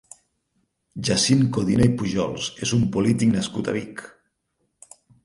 Jacint Codina i Pujols és un polític nascut a Vic.